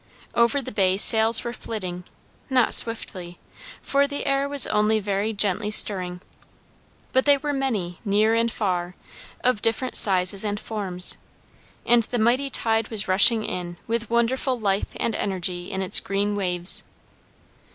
Over the bay sails were flitting, not swiftly, for the air was only very gently stirring; but they were many, near and far, of different sizes and forms; and the mighty tide was rushing in with wonderful life and energy in its green waves.